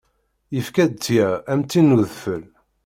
Yefka-d ṭṭya, am tin n udfel.